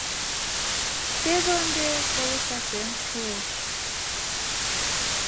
«Теве ынде колышашем шуэш...